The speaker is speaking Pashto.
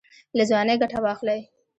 له ځوانۍ ګټه واخلئ